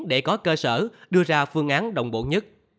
để có cơ sở đưa ra phương án đồng bộ nhất